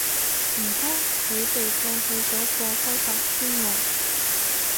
唔通佢哋放棄咗個開發專案